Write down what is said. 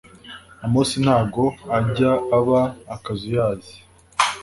Amos ntago ajya aba akazuyaze